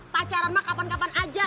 pacaran mah kapan kapan aja